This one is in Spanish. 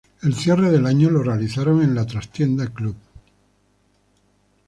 El cierre del año lo realizaron en La Trastienda Club.